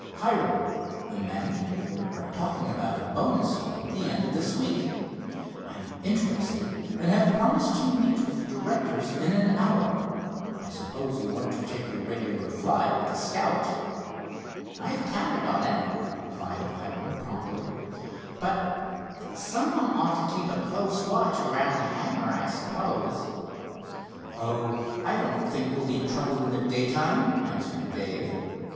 "Hiram, the management here are talking about a bonus flight the end of this week. I'm interested and have promised to meet with the directors in an hour. I suppose you want to take your regular fly with the Scout?" "I've counted on it," replied Hiram promptly, "but some one ought to keep a close watch around the hangar, I suppose." "Oh, I don't think we'll be troubled in the day time," answered Dave.